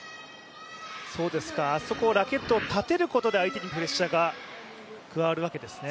あそこ、ラケットを立てることで相手にプレッシャーが加わるわけですね。